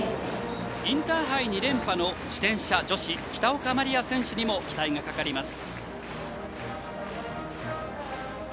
インターハイ２連覇の自転車女子北岡マリア選手にも期待がかかります。